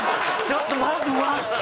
ちょっと待って。